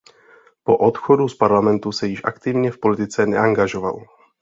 Po odchodu z parlamentu se již aktivně v politice neangažoval.